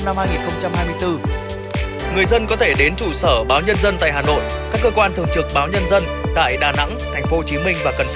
người dân có thể đến trụ sở báo nhân dân tại hà nội các cơ quan thường trực báo nhân dân tại đà nẵng tp hcm và cần thơ cùng các văn phòng đại diện của báo nhân dân tại tất cả các tỉnh thành phố theo địa chỉ trên màn hình